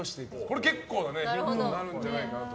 これ、結構ヒントになるんじゃないかなと。